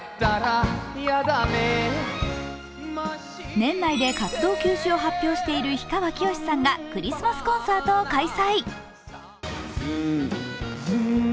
年内で活動休止を発表している氷川きよしさんがクリスマスコンサートを開催。